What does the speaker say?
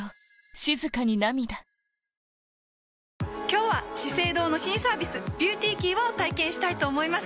静かに今日は「資生堂」の新サービス「ＢｅａｕｔｙＫｅｙ」を体験したいと思います。